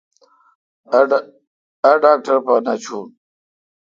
اے°ڈاکٹر پہ نہ چھون۔